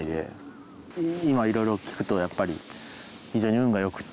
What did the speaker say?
今いろいろ聞くとやっぱり非常に運が良くて。